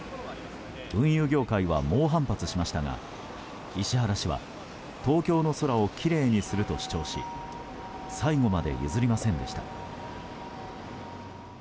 運輸業界は猛反発しましたが石原氏は東京の空をきれいにすると主張し最後まで譲りませんでした。